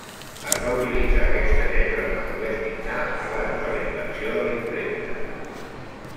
Es va utilitzar aquesta lletra en l'anglès mitjà abans de la invenció de la impremta.